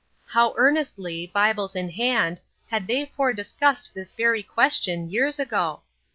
How earnestly, Bibles in hand, had they four discussed this very ques tion years ago